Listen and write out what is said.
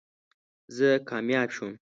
زه کامیاب شوم